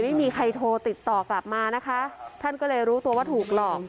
ไม่มีใครโทรติดต่อกลับมานะคะท่านก็เลยรู้ตัวว่าถูกหลอก